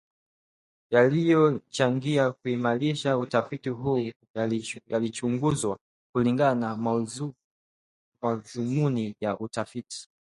yaliyochangia kuimarisha utafiti huu yalichunguzwa kulingana na madhumuni ya utafiti